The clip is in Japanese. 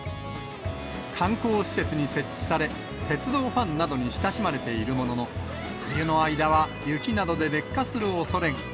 観光施設に設置され、鉄道ファンなどに親しまれているものの、冬の間は雪などで劣化するおそれが。